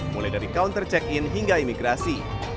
mulai dari counter check in hingga imigrasi